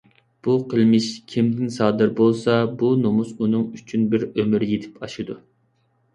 بۇ قىلمىش كىمدىن سادىر بولسا بۇ نومۇس ئۇنىڭ ئۈچۈن بىر ئۆمۈر يېتىپ ئاشىدۇ.